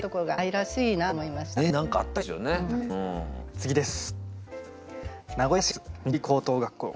次です。